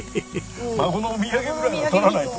孫のお土産ぐらいは取らないと。